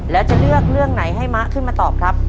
แล้วจะเลือกเรื่องไหนให้มะขึ้นมาตอบครับ